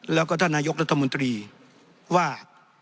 แล้วก็ท่านนายกรัฐมนตรีว่า